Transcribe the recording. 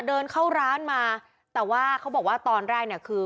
เดินเข้าร้านมาแต่ว่าเขาบอกว่าตอนแรกเนี่ยคือ